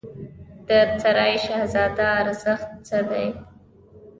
د سرای شهزاده ارزښت څه دی؟